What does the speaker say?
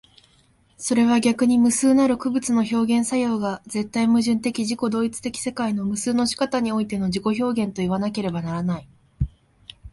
それは逆に無数なる個物の表現作用が絶対矛盾的自己同一的世界の無数の仕方においての自己表現といわなければならない。